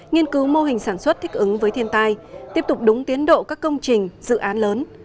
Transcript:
nghiên cứu mô hình sản xuất thích ứng với thiên tai tiếp tục đúng tiến độ các công trình dự án lớn